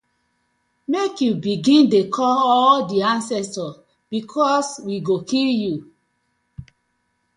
Mek yu begin de call all de ancestors because we go kill yu.